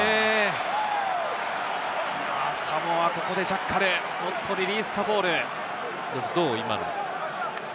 サモア、ここでジャッカル、ノットリリースザボール。